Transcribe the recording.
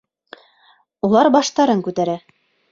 Улар баштарын күтәрә.